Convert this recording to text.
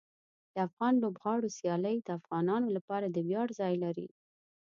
د افغان لوبغاړو سیالۍ د افغانانو لپاره د ویاړ ځای لري.